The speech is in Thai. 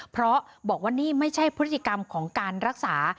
เพราะบอกว่านี่ไม่ใช่พฤติกรรมของการรักษา